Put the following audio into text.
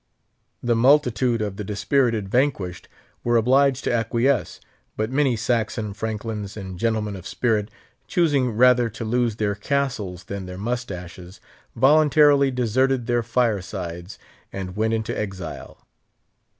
The multitude of the dispirited vanquished were obliged to acquiesce; but many Saxon Franklins and gentlemen of spirit, choosing rather to lose their castles than their mustaches, voluntarily deserted their firesides, and went into exile.